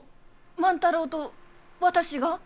万太郎と私が？